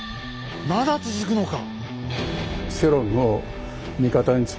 まだ続くのか！